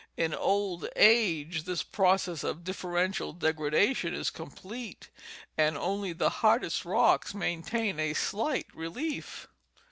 In old age this process of differential degradation is complete and only the hardest rocks maintain a slight relief.